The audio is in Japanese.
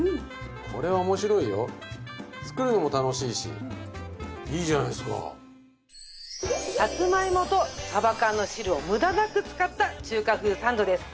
これは面白いよ作るのも楽しいしいいじゃないですかさつまいもとサバ缶の汁を無駄なく使った中華風サンドです